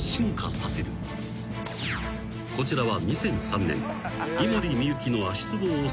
［こちらは］